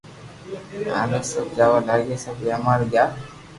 ھالين سب جاوا لاگيا ھين سب اوويا گيا